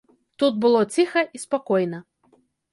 Тут было ціха і спакойна.